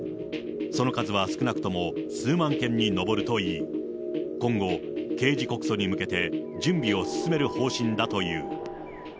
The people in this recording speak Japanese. その数は少なくとも数万件に上るといい、今後、刑事告訴に向けて準備を進める方針だという。